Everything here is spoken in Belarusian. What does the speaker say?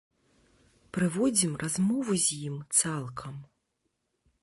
Прыводзім размову з ім цалкам.